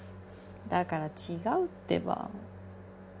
だから違うってば。